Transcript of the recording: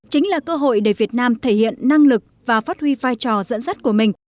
chính là cơ hội để việt nam thể hiện năng lực và phát huy vai trò dẫn dắt của mình